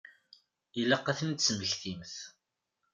Ilaq ad ten-id-tesmektimt.